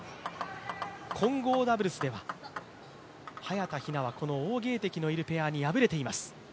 混合ダブルスでは早田ひなは、この王ゲイ迪のいるペアに敗れています。